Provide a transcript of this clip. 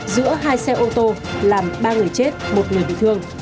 giữa hai xe ô tô làm ba người chết một người bị thương